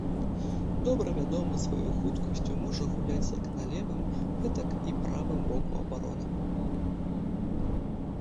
Добра вядомы сваёй хуткасцю, можа гуляць як на левым, гэтак і правым боку абароны.